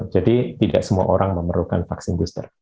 jadi tidak semua orang memerlukan vaksin booster